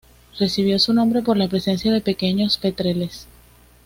Recibió su nombre por la presencia de pequeños petreles.